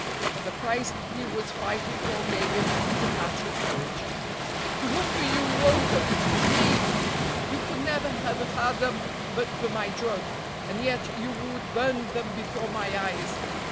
The prize he was fighting for gave him supernatural courage. "To whom do you owe them? To me. You could never have had them but for my drug. And yet you would burn them before my eyes.